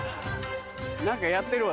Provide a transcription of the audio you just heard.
何かやってるわ。